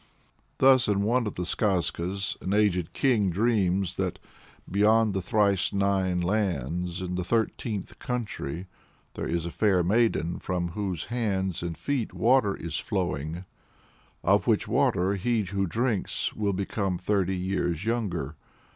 Thus in one of the Skazkas an aged king dreams that "beyond thrice nine lands, in the thirtieth country, there is a fair maiden from whose hands and feet water is flowing, of which water he who drinks will become thirty years younger."